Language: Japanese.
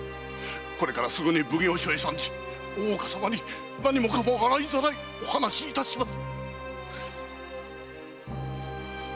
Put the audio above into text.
これからすぐに奉行所へ参じ大岡様に何もかも洗いざらいお話しいたします。